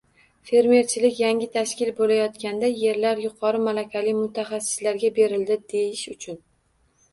Fermerchilik yangi tashkil bo‘layotganda, yerlar yuqori malakali mutaxassislarga berildi, deyish uchun